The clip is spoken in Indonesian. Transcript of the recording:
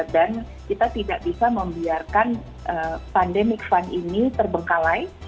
dan kita tidak bisa membiarkan pandemic fund ini terbengkalai